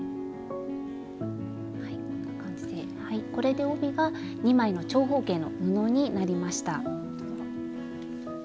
これで帯が２枚の長方形の布になりました。